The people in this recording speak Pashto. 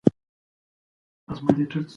که موږ متحد شو.